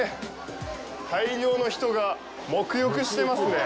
大量の人がもく浴してますね。